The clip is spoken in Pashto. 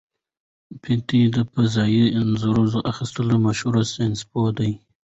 پېټټ د فضايي انځور اخیستلو مشهور ساینسپوه دی.